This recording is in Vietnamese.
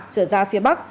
trở ra phía bắc